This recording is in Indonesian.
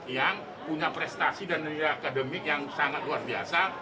yang punya prestasi dan nilai akademik yang sangat luar biasa